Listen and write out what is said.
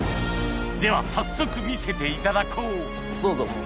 では早速見せていただこうどうぞ。